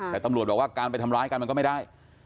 แต่ตำรวจบอกว่าการไปทำร้ายกันมันก็ไม่ได้